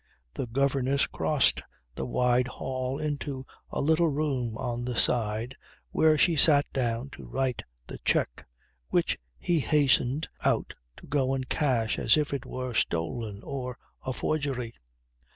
The governess crossed the wide hall into a little room at the side where she sat down to write the cheque, which he hastened out to go and cash as if it were stolen or a forgery.